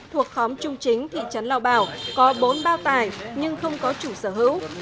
thuộc khóm trung chính thị trấn lao bảo có bốn bao tải nhưng không có chủ sở hữu